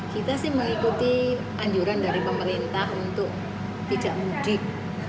kita sih mengikuti anjuran dari pemerintah untuk tidak mudik